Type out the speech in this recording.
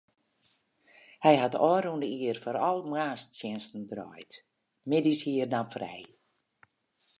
Hy hat ôfrûne jier foaral moarnstsjinsten draaid, middeis hie er dan frij.